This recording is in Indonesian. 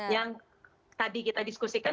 yang tadi kita diskusikan